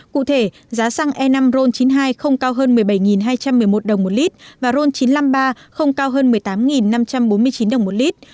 cụ thể giá xăng e năm ron chín mươi hai không cao hơn một mươi bảy hai trăm một mươi một đồng một lít và ron chín trăm năm mươi ba không cao hơn một mươi tám năm trăm bốn mươi chín đồng một lít